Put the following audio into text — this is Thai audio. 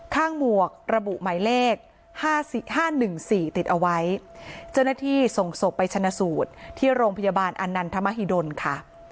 ข้างหมวกระบุหมายเลขห้าสิบห้านึงสี่ติดเอาไว้เจ้าหน้าที่ส่งศพไปชนสูตรที่โรงพยาบาลอันนันทมหิดลค่ะ